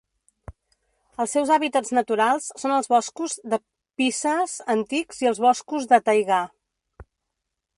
Els seus hàbitats naturals són els boscos de pícees antics i els boscos de taigà.